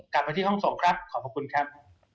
กลับมาที่ห้องส่งครับขอบพระคุณครับ